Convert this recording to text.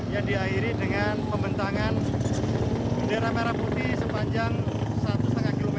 yang diakhiri dengan pembentangan bendera merah putih sepanjang satu lima km